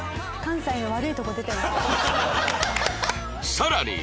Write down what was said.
さらに